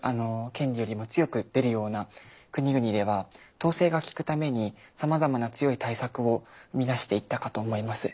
権利よりも強く出るような国々では統制がきくためにさまざまな強い対策を生み出していったかと思います。